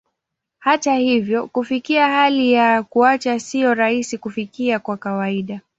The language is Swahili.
Hata hivyo, kufikia hali ya kuacha sio rahisi kufikia kwa kawaida.